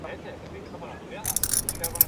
Oso lesio larria da eta ebakuntza egingo diote.